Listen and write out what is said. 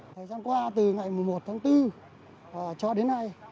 thời gian qua từ ngày một mươi một tháng bốn cho đến nay